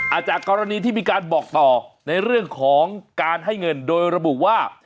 จากกรณีที่มีการบอกต่อในเรื่องของการให้เงินโดยระบุว่า